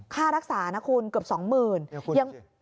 ค่ารักษานะคุณเกือบ๒๐๐๐บาท